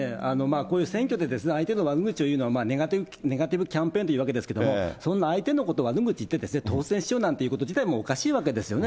こういう選挙で相手の悪口を言うのはネガティブキャンペーンというわけですけれども、相手の悪口を言って当選しようなんていうことを自体がおかしいわけですよね。